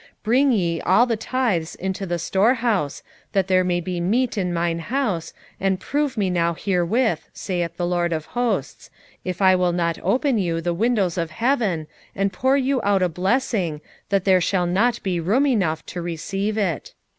3:10 Bring ye all the tithes into the storehouse, that there may be meat in mine house, and prove me now herewith, saith the LORD of hosts, if I will not open you the windows of heaven, and pour you out a blessing, that there shall not be room enough to receive it.